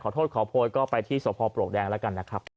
ขอโทษขอโพยก็ไปที่สพปลวกแดงแล้วกันนะครับ